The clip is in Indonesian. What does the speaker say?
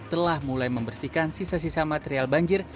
telah mulai membersihkan sisa sisa material banjir